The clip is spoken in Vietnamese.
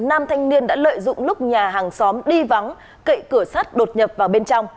nam thanh niên đã lợi dụng lúc nhà hàng xóm đi vắng cậy cửa sát đột nhập vào bên trong